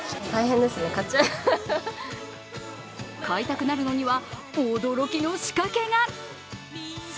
買いたくなるのには驚きの仕掛けが。